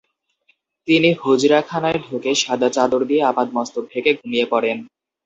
তিনি হুজরাখানায় ঢুকে সাদা চাদর দিয়ে আপাদমস্তক ঢেকে ঘুমিয়ে পড়েন।